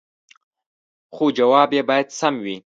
خو جواب يې باید سم وي